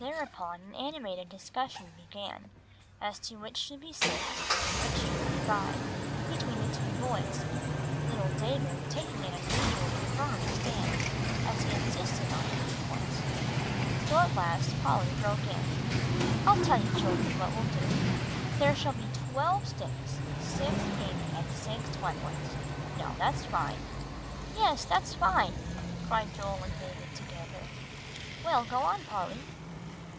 Thereupon an animated discussion began, as to which should be six, and which should be five, between the two boys, little David taking an unusually firm stand, as he insisted on the pink ones. So at last Polly broke in: "I'll tell you, children, what we will do; there shall be twelve sticks, six pink and six white ones; now, that's fine." "Yes, that's fine," cried Joel and David together. "Well, go on, Polly."